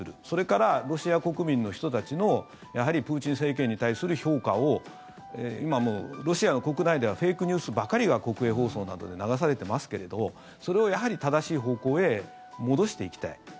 それから、ロシア国民の人たちのプーチン政権に対する評価を今、もうロシアの国内ではフェイクニュースばかりが国営放送などで流されてますけどそれを、やはり正しい方向へ戻していきたい。